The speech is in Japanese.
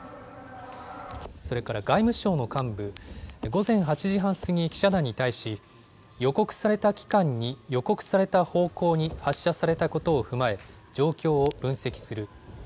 それから外務省の幹部、午前８時半過ぎ、記者団に対し予告された期間に予告された方向に発射されたことを踏まえ状況を分析する。